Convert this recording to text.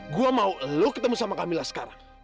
gue mau lo ketemu sama kamilah sekarang